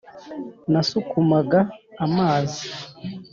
nasukumaga amazi